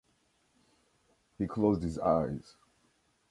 He closed his eyes.